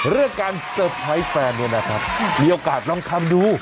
เรื่องการเซอร์ไพรส์แฟนเนี่ยนะครับมีโอกาสลองทำดู